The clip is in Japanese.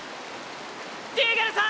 ディーゲルさん？